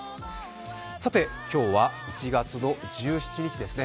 さて今日は１月１７日ですね。